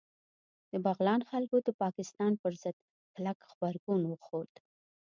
د بغلان خلکو د پاکستان پر ضد کلک غبرګون وښود